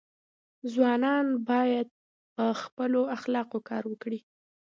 ځوانان باید په خپلو اخلاقو کار وکړي.